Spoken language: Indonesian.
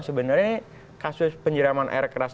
sebenarnya kasus penyiraman air keras